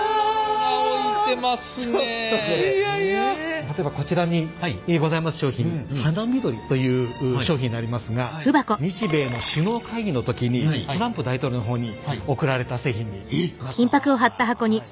例えばこちらにございます商品「花見鳥」という商品になりますが日米の首脳会議の時にトランプ大統領の方に贈られた製品になっております。